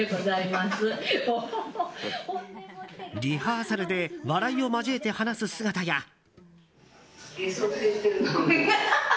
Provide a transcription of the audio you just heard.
リハーサルで笑いを交えて話す姿や。